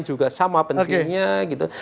juga sama pentingnya oke